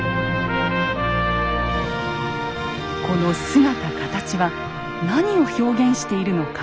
この姿形は何を表現しているのか。